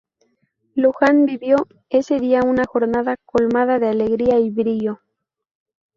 Luján vivió ese día una jornada colmada de alegría y brillo.